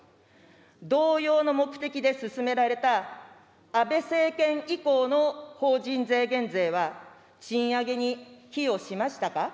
同様の目的で進められた安倍政権以降の法人税減税は、賃上げに寄与しましたか。